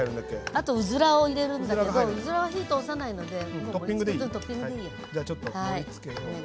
あとうずらを入れるんだけどうずらは火通さないのでもうトッピングでいいよ。